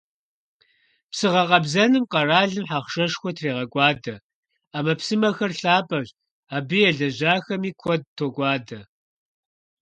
Псы гъэкъэбзэным къэралым ахъшэшхуэ трегъэкӀуадэ: Ӏэмэпсымэхэр лъапӀэщ, абы елэжьахэми куэд токӀуадэ.